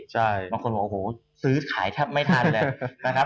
ใช่บางคนบอกโอ้โหซื้อขายแทบไม่ทันเลยนะครับ